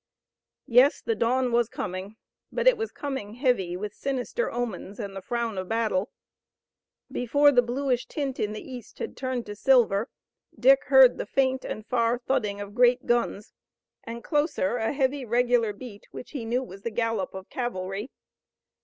Yes, the dawn was coming, but it was coming heavy with sinister omens and the frown of battle. Before the bluish tint in the east had turned to silver Dick heard the faint and far thudding of great guns, and closer a heavy regular beat which he knew was the gallop of cavalry.